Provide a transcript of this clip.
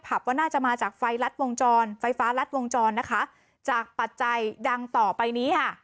ว่าน่าจะมาจากไฟรัดวงจรไฟฟ้ารัดวงจรนะคะจากปัจจัยดังต่อไปนี้ค่ะ